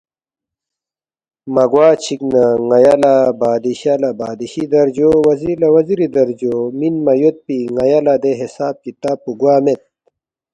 مہ گوا چِک نہ ن٘یا لہ بادشاہ لہ بادشی درجو، وزیر لہ وزیری درجو مِنما یودپی ن٘یا لہ دے حساب کتاب پو گوا مید